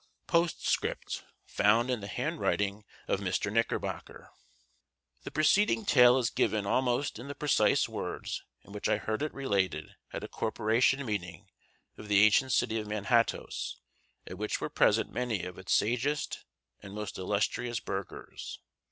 POSTSCRIPT FOUND IN THE HANDWRITING OF MR. KNICKERBOCKER. THE preceding tale is given almost in the precise words in which I heard it related at a Corporation meeting of the ancient city of Manhattoes, at which were present many of its sagest and most illustrious burghers.